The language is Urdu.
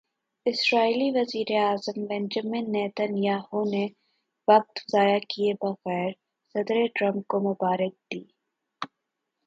اسرائیلی وزیر اعظم بنجمن نیتن یاہو نے وقت ضائع کیے بغیر صدر ٹرمپ کو مبارک باد دی۔